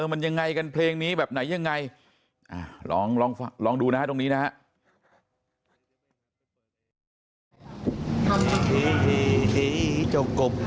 มันยังไงกันเพลงนี้แบบไหนยังไงลองดูนะฮะตรงนี้นะฮะ